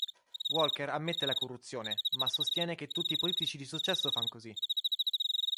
Walker ammette la corruzione ma sostiene che tutti i politici di successo fan così.